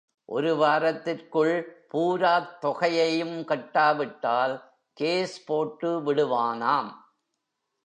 ஒரு வாரத்திற்குள் பூராத் தொகையையும் கட்டாவிட்டால் கேஸ் போட்டு விடுவானாம்.